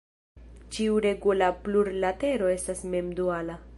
Ĉiu regula plurlatero estas mem-duala.